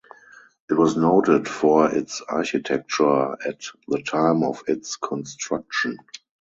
It was noted for its architecture at the time of its construction.